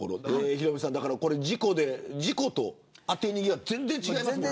ヒロミさん、事故と当て逃げは全然違いますもんね。